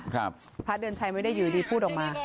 พระเดือนชัยไม่ได้อยู่ดีพูดออกมา